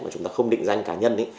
mà chúng ta không định danh cá nhân